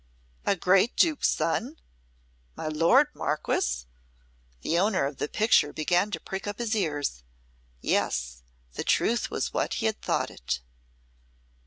"A great Duke's son!" "My lord Marquess!" The owner of the picture began to prick up his ears. Yes, the truth was what he had thought it.